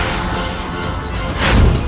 amin ya rukh alamin